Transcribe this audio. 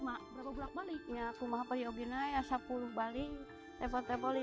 mak berapa gelap balik ya kumaha prioginaya sepuluh bali level level lima belas bali